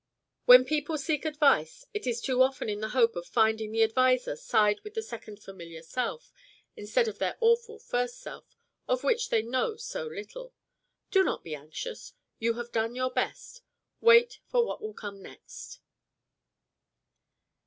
When people seek advice, it is too often in the hope of finding the adviser side with their second familiar self, instead of their awful first self, of which they know so little. Do not be anxious. You have done your best. Wait for what will come next."